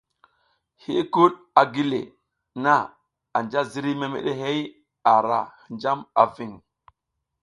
Hiykud a gi le na anja ziriy memeɗe hey a ra hinjam a ving.